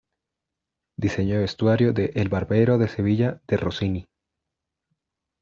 Diseño de vestuario de El barbero de Sevilla de Rossini.